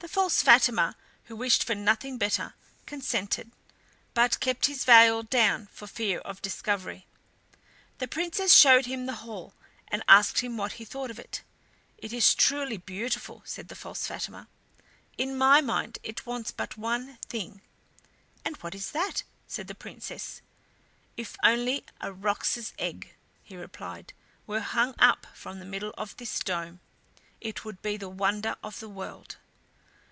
The false Fatima, who wished for nothing better, consented, but kept his veil down for fear of discovery. The princess showed him the hall, and asked him what he thought of it. "It is truly beautiful," said the false Fatima. "In my mind it wants but one thing." "And what is that?" said the Princess. "If only a roc's egg," replied he, "were hung up from the middle of this dome, it would be the wonder of the world."